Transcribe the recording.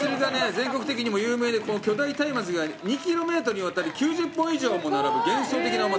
全国的にも有名でこの巨大たいまつが２キロメートルにわたり９０本以上も並ぶ幻想的なお祭り。